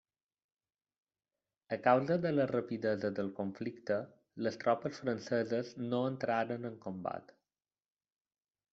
A causa de la rapidesa del conflicte, les tropes franceses no entraren en combat.